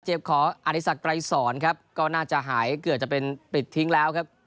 ของอธิสักไกรสอนครับก็น่าจะหายเกือบจะเป็นปิดทิ้งแล้วครับ